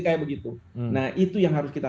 kayak begitu nah itu yang harus kita